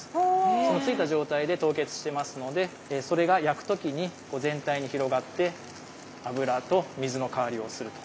そのついた状態で凍結してますのでそれが焼く時に全体に広がって油と水の代わりをすると。